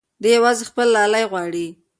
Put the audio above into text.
دی یوازې خپل لالی غواړي.